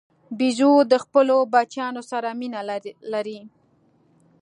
بیزو د خپلو بچیانو سره مینه لري.